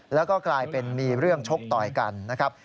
แล้วก็กลายเป็นมีเรื่องชกต่อยกันนะครับ